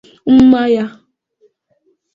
mmanya